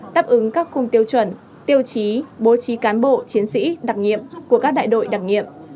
đáp ứng các khung tiêu chuẩn tiêu chí bố trí cán bộ chiến sĩ đặc nhiệm của các đại đội đặc nhiệm